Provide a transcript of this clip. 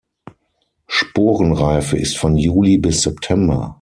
Sporenreife ist von Juli bis September.